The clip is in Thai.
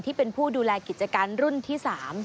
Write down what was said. ที่เป็นผู้ดูแลกิจการรุ่นที่๓